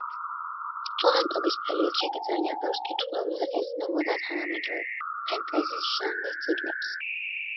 სტუდენტობის პერიოდში იგი ძალიან ბევრს კითხულობდა და ეცნობოდა თანამედროვე ფენტეზის ჟანრის წიგნებს.